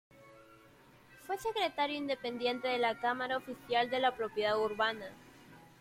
Fue secretario independiente de la Cámara Oficial de la Propiedad Urbana.